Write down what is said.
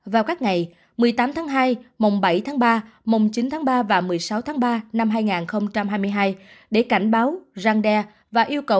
vào các ngày một mươi tám hai bảy ba chín ba và một mươi sáu ba